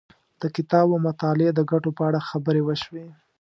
د کتاب او مطالعې د ګټو په اړه خبرې وشوې.